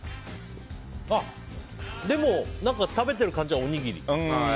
でも、食べてる感じはおにぎり。